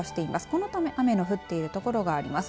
このため雨が降っている所があります。